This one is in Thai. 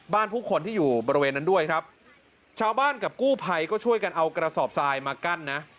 ผู้คนที่อยู่บริเวณนั้นด้วยครับชาวบ้านกับกู้ภัยก็ช่วยกันเอากระสอบทรายมากั้นนะ